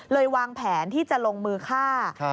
วางแผนที่จะลงมือฆ่า